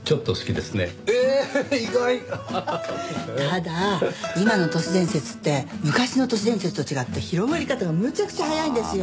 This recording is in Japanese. ただ今の都市伝説って昔の都市伝説と違って広まり方がむちゃくちゃ早いんですよ。